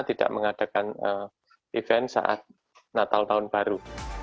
tidak mengadakan event saat natal tahun baru